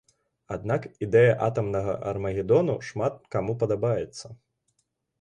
Аднак ідэя атамнага армагедону шмат каму падабаецца.